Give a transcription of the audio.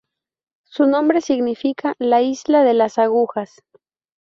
Su nombre significa "La Isla de las Agujas".